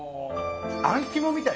あん肝みたい。